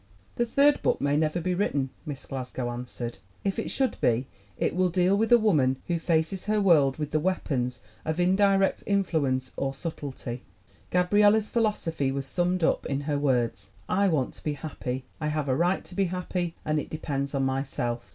"The third book may never be written," Miss Glas gow answered. "If it should be, it will deal with a woman who faces her world with the weapons of in direct influence or subtlety." Gabriella's philosophy was summed up in her words: "I want to be happy. I have a right to be happy, and it depends on myself.